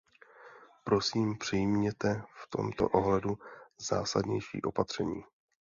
Prosím, přijměte v tomto ohledu zásadnější opatření.